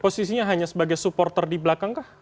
posisinya hanya sebagai supporter di belakang kah